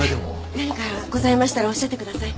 何かございましたらおっしゃってください。